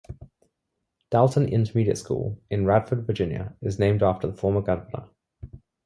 Dalton Intermediate School, in Radford, Virginia, is named after the former governor.